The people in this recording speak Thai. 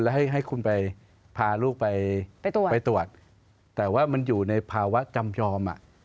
แล้วให้คุณไปพาลูกไปตรวจไปตรวจแต่ว่ามันอยู่ในภาวะจำยอม